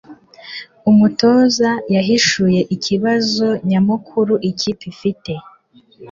Umutoza yahishuye ikibazo nyamukuru ikipe ifite